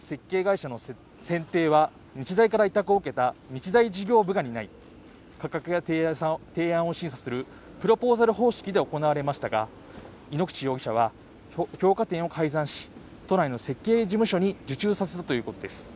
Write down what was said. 能勢先生は日大から委託を受けた日大事業部が担い価格や提案提案を審査するプロポーザル方式で行われましたが井ノ口容疑者はを評価点を改ざんし都内の設計事務所に受注させるということです